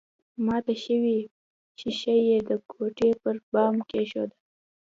ماته شوې ښيښه يې د کوټې پر بام کېښوده